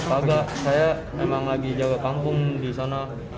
agak saya emang lagi jaga kampung di sana